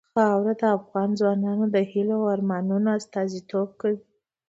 خاوره د افغان ځوانانو د هیلو او ارمانونو استازیتوب کوي.